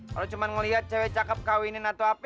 kalau cuma ngelihat cewek cakep kawinin atau apa